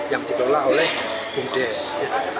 yang dikelola oleh bumdes